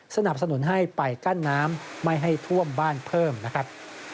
สนับสนุนให้ไปกั้นน้ำไม่ให้ท่วมบ้านเพิ่มนะครับ